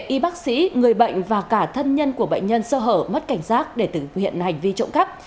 y bác sĩ người bệnh và cả thân nhân của bệnh nhân sơ hở mất cảnh giác để thực hiện hành vi trộm cắp